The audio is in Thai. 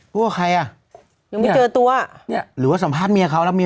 พูดกับใครอ่ะยังไม่เจอตัวนี่หรือว่าสัมภาษณ์เมียเขาแล้ว